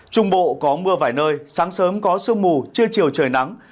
trung bộ có mưa vài nơi sáng sớm có sương mù trưa chiều trời nắng